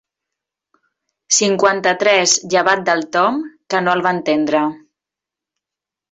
Cinquanta-tres llevat del Tom, que no el va entendre.